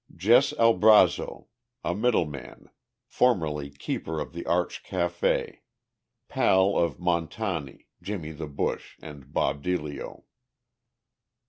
JESS ALBRAZZO, a middleman, formerly keeper of the Arch Café, pal of Montani, "Jimmy the Push" and Bob Deilio.